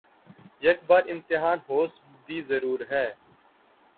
یک بار امتحانِ ہوس بھی ضرور ہے